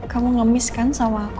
kamu ngemis kan sama aku